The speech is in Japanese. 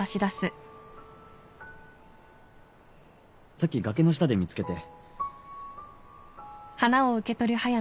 さっき崖の下で見つけて。